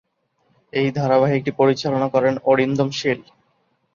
এই ধারাবাহিকটি পরিচালনা করেন অরিন্দম শীল।